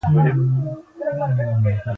وژنه غچ نه، جرم دی